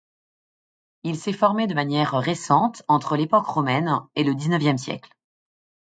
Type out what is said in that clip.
Il s'est formé de manière récente, entre l'époque romaine et le dix-neuvième siècle.